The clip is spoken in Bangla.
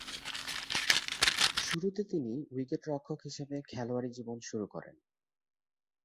শুরুতে তিনি উইকেট-রক্ষক হিসেবে খেলোয়াড়ী জীবন শুরু করেন।